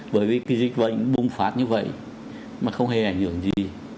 bởi vì cái dịch bệnh bùng phát như vậy mà không hề ảnh hưởng gì